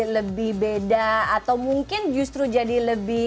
lebih beda atau mungkin justru jadi lebih